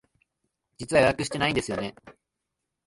実は予約してないんですよね。